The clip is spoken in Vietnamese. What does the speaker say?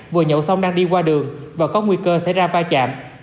vừa nhậu xong đang đi qua đường và có nguy cơ xảy ra va chạm